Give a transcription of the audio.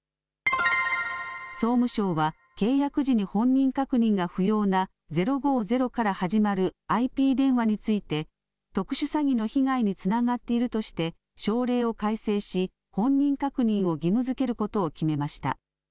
総務省は契約時に本人確認が不要な０５０から始まるＩＰ電話について特殊詐欺の被害につながっているとして省令を改正し本人確認を義務づけることを決めました。